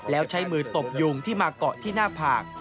แล้วใช้มือตบยุงที่มาเกาะที่หน้าผาก